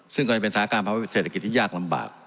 ซึ่งก็จะเป็นสถาบันธุ์การผจญประเทศเศรษฐกิจที่ยากนำบาก